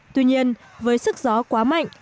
tuy nhiên với sức gió quá mạnh